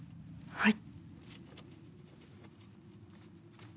はい。